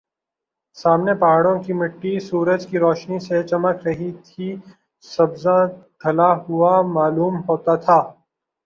سامنے پہاڑوں کی مٹی سورج کی روشنی سے چمک رہی تھی سبزہ دھلا ہوا معلوم ہوتا تھا